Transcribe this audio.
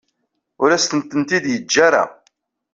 Ur asent-tent-id-yeǧǧa ara.